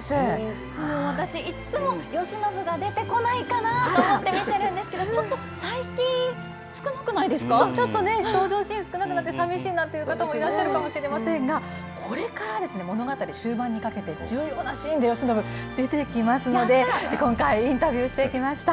私、いっつも、慶喜が出てこないかなと思って見てるんですけども、ちょっと最近、ちょっとね、登場シーン、少なくなって、さみしいなと思われてる方もいらっしゃるかと思いますが、これから物語終盤にかけて重要なシーンで慶喜、出てきますので、今回、インタビューしてきました。